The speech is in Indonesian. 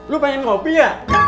lo pengen kopi ya